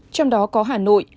trong đó có hà nội